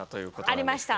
ありました。